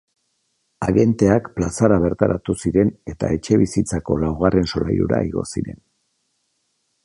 Agenteak plazara bertaratu ziren eta etxebizitzako laugarren solairura igo ziren.